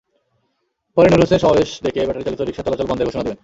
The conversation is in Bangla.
পরে নূর হোসেন সমাবেশ ডেকে ব্যাটারিচালিত রিকশা চলাচল বন্ধের ঘোষণা দেবেন।